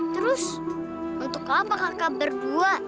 terus untuk apa hakam berdua